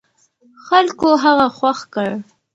خلکو هغه خوښ کړ.